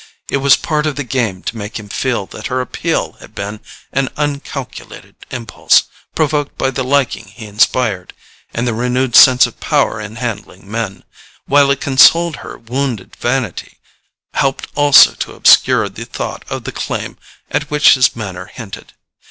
It was part of the game to make him feel that her appeal had been an uncalculated impulse, provoked by the liking he inspired; and the renewed sense of power in handling men, while it consoled her wounded vanity, helped also to obscure the thought of the claim at which his manner hinted.